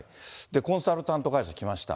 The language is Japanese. コンサルタント会社来ました。